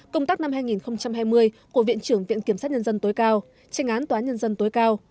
công tác năm hai nghìn hai mươi của viện trưởng viện kiểm sát nhân dân tối cao tranh án tòa án nhân dân tối cao